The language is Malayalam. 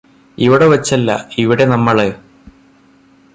ഇവിടെ വച്ചല്ല ഇവിടെ നമ്മളെ